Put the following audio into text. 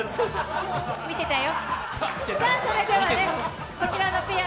見てたよ。